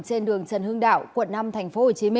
trên đường trần hương đảo quận năm tp hcm